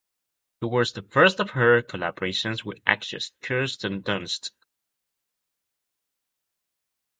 It was the first of her collaborations with actress Kirsten Dunst.